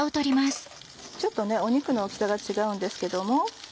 ちょっと肉の大きさが違うんですけども。